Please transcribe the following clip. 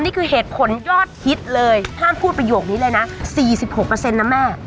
นี่คือเหตุผลยอดฮิตเลยห้ามพูดประโยคนี้เลยนะสี่สิบหกเปอร์เซ็นต์นะแม่